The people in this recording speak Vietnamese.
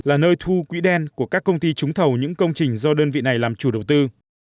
là nơi thu quỹ đen của các công ty trúng thầu những công trình do đơn vị này làm chủ đầu tư